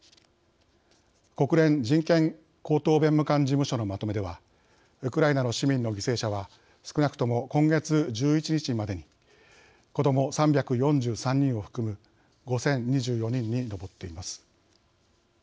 国連人権高等弁務官事務所のまとめではウクライナの市民の犠牲者は少なくとも、今月１１日までに子ども３４３人を含む５０２４人に上っています。